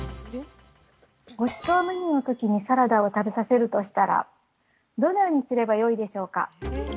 ごちそうメニューの時にサラダを食べさせるとしたらどのようにすればよいでしょうか。